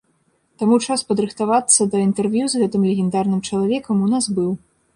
Таму час падрыхтавацца да інтэрв'ю з гэтым легендарным чалавекам у нас быў.